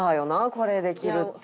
これできるって。